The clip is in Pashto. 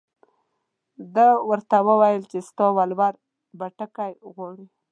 ده ورته وویل چې ستا ولور بتکۍ غواړي.